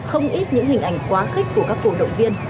không ít những hình ảnh quá khích của các cổ động viên